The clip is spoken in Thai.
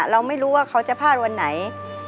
เราไม่รู้ว่าเขาจะพลาดวันไหน